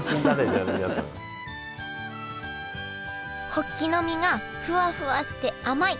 ホッキの身がフワフワして甘い。